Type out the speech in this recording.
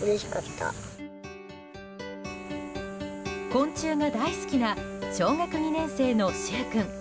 昆虫が大好きな小学２年生の柊君。